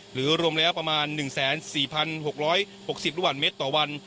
หรือรวมระยะประมาณหนึ่งแสนสี่พันหกร้อยปกสิบลูกบาทเมตรต่อวัน